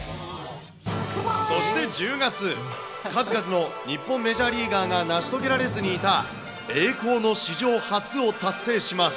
そして１０月、数々の日本メジャーリーガーが成し遂げられずにいた、栄光の史上初を達成します。